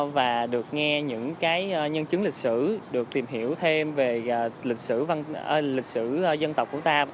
và được nghe những cái nhân chứng lịch sử được tìm hiểu thêm về lịch sử dân tộc của ta